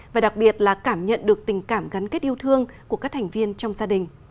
và đặc biệt là cảm nhận được tình cảm gắn kết yêu thương của các thành viên trong gia đình